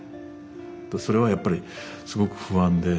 それはやっぱりすごく不安で。